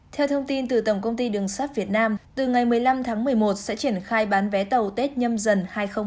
theo thông tin từ tổng công ty đường sắt việt nam từ ngày một mươi năm tháng một mươi một sẽ triển khai bán vé tàu tết nhâm dần hai nghìn hai mươi